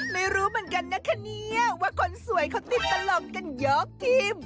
ไม่รู้เหมือนกันนะคะเนี่ยว่าคนสวยเขาติดตลกกันยกทีม